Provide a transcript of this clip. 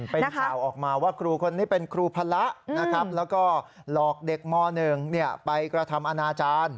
เป็นข่าวออกมาว่าครูคนนี้เป็นครูพละนะครับแล้วก็หลอกเด็กม๑ไปกระทำอนาจารย์